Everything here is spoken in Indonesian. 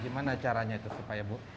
gimana caranya itu supaya bu